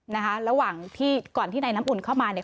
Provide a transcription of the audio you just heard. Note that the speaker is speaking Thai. นะคะระหว่างที่ก่อนที่นายน้ำอุ่นเข้ามาเนี่ย